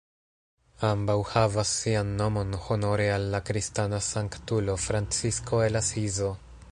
Ambaŭ havas sian nomon honore al la kristana sanktulo Francisko el Asizo.